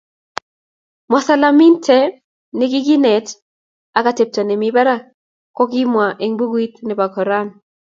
Mwisalamiante ne ki kineet ak atepto nemii barak ko kikimwa eng bukuit nebo Qoran.